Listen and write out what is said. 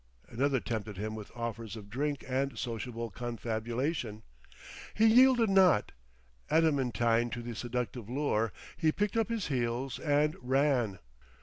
Another tempted him with offers of drink and sociable confabulation. He yielded not; adamantine to the seductive lure, he picked up his heels and ran.